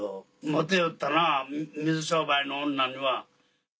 モテよったなぁ水商売の女には。